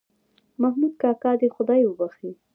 محمود کاکا دې خدای وبښي